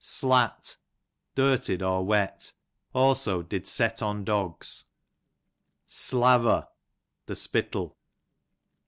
Slat, dirtied, or wet ; also did set on dogs. Slaver, the spittle.